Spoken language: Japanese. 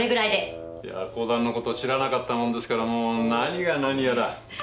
いや講談のことを知らなかったもんですからもう何が何やら。